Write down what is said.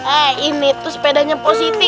eh ini tuh sepedanya positif